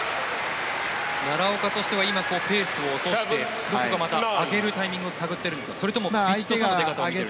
奈良岡としては今ペースを落としてどこかまた上げるタイミングを探ってるのかそれともヴィチットサーンの出方を見ているんですか。